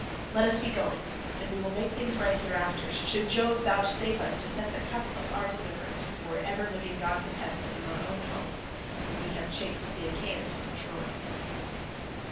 Let us be going, and we will make things right hereafter, should Jove vouchsafe us to set the cup of our deliverance before ever living gods of heaven in our own homes, when we have chased the Achaeans from Troy."